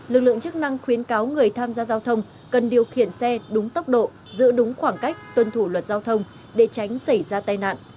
lực lượng chức năng khuyến cáo người tham gia giao thông cần điều khiển xe đúng tốc độ giữ đúng khoảng cách tuân thủ luật giao thông để tránh xảy ra tai nạn